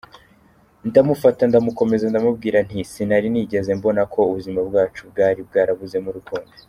Ndamufata ndamukomeza ndamubwira nti“sinari nigeze mbona ko ubuzima bwacu bwari bwarabuzemo urukundo.